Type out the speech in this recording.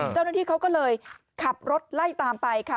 เจ้าหน้าที่เขาก็เลยขับรถไล่ตามไปค่ะ